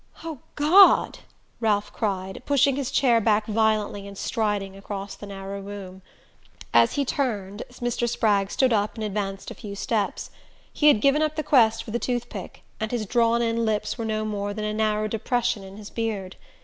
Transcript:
"Oh, God " Ralph cried, pushing his chair back violently and striding across the narrow room. As he turned, Mr. Spragg stood up and advanced a few steps. He had given up the quest for the tooth pick, and his drawn in lips were no more than a narrow depression in his beard.